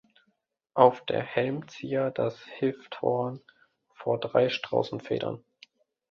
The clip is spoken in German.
Auf der Helmzier das Hifthorn vor drei Straußenfedern.